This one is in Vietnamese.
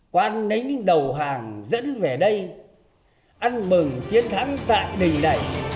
quan đánh đầu hàng dẫn về đây ăn mừng chiến thắng tại đỉnh này